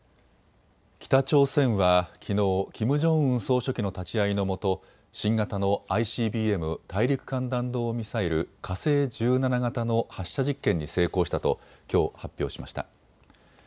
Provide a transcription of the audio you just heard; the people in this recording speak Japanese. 北朝鮮はきのうキム・ジョンウン総書記の立ち会いのもと新型のＩＣＢＭ・大陸間弾道ミサイル火星１７型の発射実験に成功したときょう発表しました。